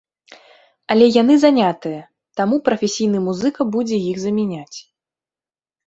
Але яны занятыя, таму прафесійны музыка будзе іх замяняць.